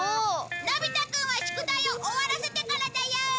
のび太くんは宿題を終わらせてからだよ。